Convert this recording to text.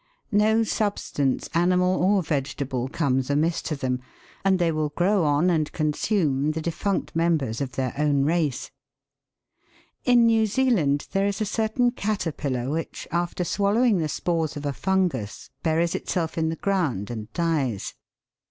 No substance, animal or vegetable, comes amiss to them, and they will grow on and consume the defunct members of their own race. In New Zealand there is a certain caterpillar which, after swallowing the spores of a fungus, buries itself in the ground and dies.